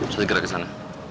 saya segera ke sana